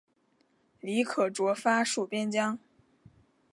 李可灼发戍边疆。